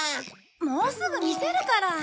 もうすぐ見せるから。